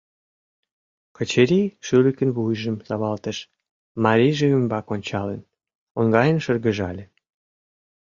Качырий шӱлыкын вуйжым савалтыш, марийже ӱмбак ончалын, оҥайын шыргыжале.